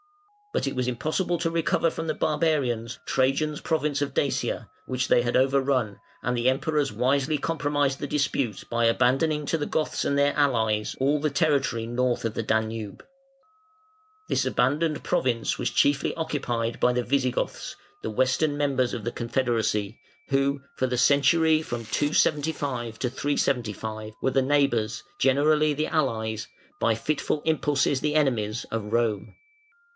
But it was impossible to recover from the barbarians Trajan's province of Dacia, which they had overrun, and the Emperors wisely compromised the dispute by abandoning to the Goths and their allies all the territory north of the Danube. This abandoned province was chiefly occupied by the Visigoths, the Western members of the confederacy, who for the century from 275 to 375 were the neighbours, generally the allies, by fitful impulses the enemies, of Rome.